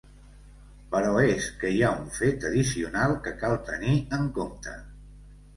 Però és que hi ha un fet addicional que cal tenir en compte.